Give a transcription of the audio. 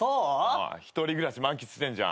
１人暮らし満喫してんじゃん。